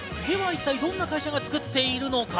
一体どんな会社が作っているのか？